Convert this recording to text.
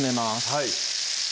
はい